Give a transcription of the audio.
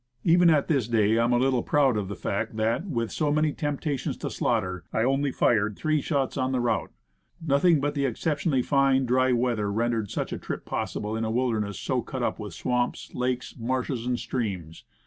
Even at thib day I am a little proud of the fact that, with so many temptations to slaughter, I only fired three shots on the route. Nothing but the exceptionally fine, dry weather rendered such a trip possible in a wilderness so cut up with swamps, lakes, marshes and streams.